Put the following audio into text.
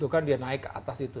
kan dia naik ke atas itu